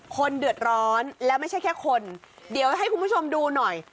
คนเดือดร้อนแล้วไม่ใช่แค่คนเดี๋ยวให้คุณผู้ชมดูหน่อย